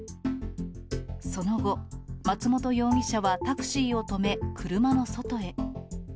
その後、松元容疑者はタクシーを止め、車の外へ。